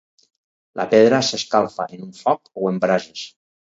La pedra s'escalfa en un foc o en brases.